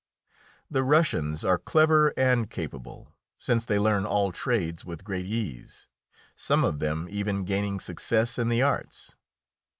The Russians are clever and capable, since they learn all trades with great ease, some of them even gaining success in the arts.